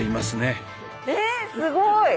すごい。